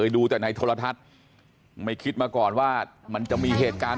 ดูแต่ในโทรทัศน์ไม่คิดมาก่อนว่ามันจะมีเหตุการณ์